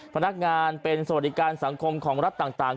พนักงานเป็นสวัสดิการสังคมของรัฐต่าง